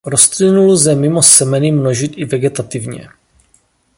Rostlinu lze mimo semeny množit i vegetativně.